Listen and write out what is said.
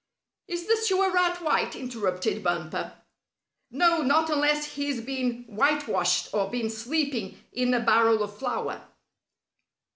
"Is the Sewer Rat white?" interrupted Bumper. "No, not unless he's been whitewashed or been sleeping in a barrel of flour."